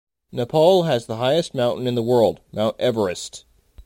Nepal has the highest mountain in the world, Mount Everest.